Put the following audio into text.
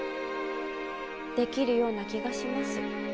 できるような気がします。